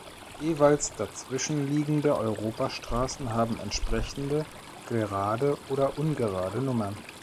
Jeweils dazwischen liegende Europastraßen haben entsprechende gerade oder ungerade Nummern.